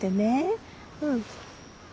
うん。